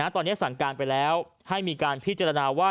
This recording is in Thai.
ตอนนี้สั่งการไปแล้วให้มีการพิจารณาว่า